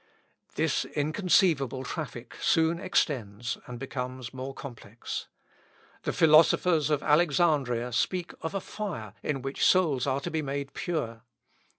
This inconceivable traffic soon extends, and becomes more complex. The philosophers of Alexandria speak of a fire in which souls are to be made pure.